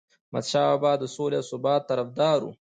احمدشاه بابا د سولې او ثبات طرفدار و.